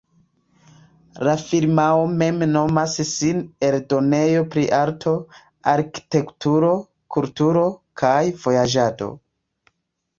La firmao mem nomas sin "eldonejo pri arto, arkitekturo, kulturo kaj vojaĝado".